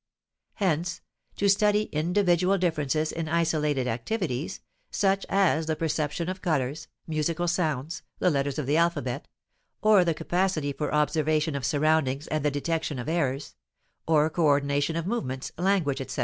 Hence, to study individual differences in isolated activities, such as the perception of colors, musical sounds, the letters of the alphabet; or the capacity for observation of surroundings and the detection of errors; or coordination of movements, language, etc.